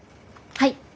はい。